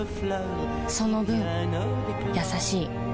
その分優しい